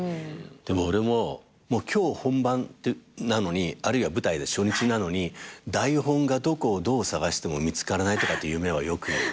でも俺も今日本番なのにあるいは舞台で初日なのに台本がどこをどう捜しても見つからないとかって夢はよく。